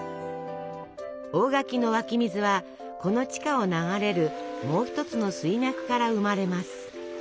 大垣の湧き水はこの地下を流れるもう一つの水脈から生まれます。